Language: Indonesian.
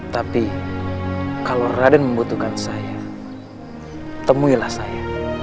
tapi kalau raden membutuhkan saya temuilah saya